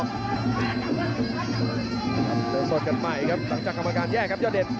เจอสดกันใหม่ครับหลังจากคำประการแยกครับยอดเดชน์